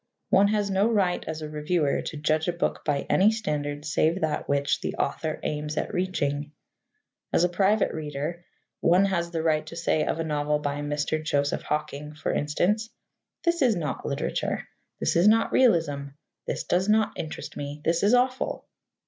One has no right as a reviewer to judge a book by any standard save that which the author aims at reaching. As a private reader, one has the right to say of a novel by Mr. Joseph Hocking, for instance: "This is not literature. This is not realism. This does not interest me. This is awful."